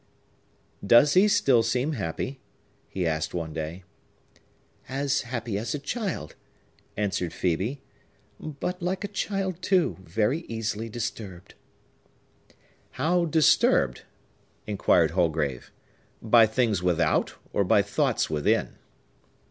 "Does he still seem happy?" he asked one day. "As happy as a child," answered Phœbe; "but—like a child, too—very easily disturbed." "How disturbed?" inquired Holgrave. "By things without, or by thoughts within?"